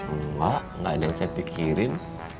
engga gak ada yang saya pikirin